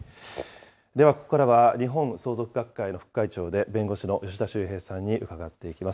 ではここからは、日本相続学会の副会長で弁護士の吉田修平さんに伺っていきます。